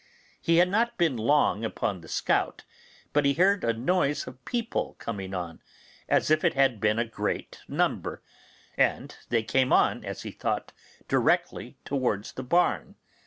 He had not been long upon the scout but he heard a noise of people coming on, as if it had been a great number, and they came on, as he thought, directly towards the barn.